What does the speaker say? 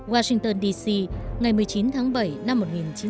washington d c ngày một mươi chín tháng bảy năm một nghìn chín trăm năm mươi hai